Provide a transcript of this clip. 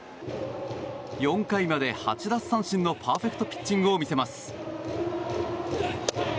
４回まで８奪三振のパーフェクトピッチングを見せます。